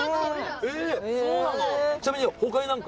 えそうなの。